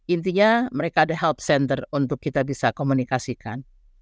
intinya mereka ada health center untuk kita bisa komunikasikan